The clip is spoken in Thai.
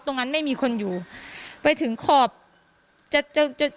ตรงนั้นไม่มีคนอยู่ไปถึงขอบจนจะถึงที่เกิดหิต